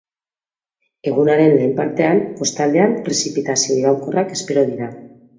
Egunaren lehen partean kostaldean prezipitazio iraunkorrak espero dira.